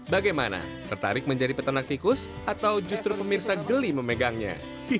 bagaimana tertarik menjadi peternak tikus atau justru pemirsa geli memegangnya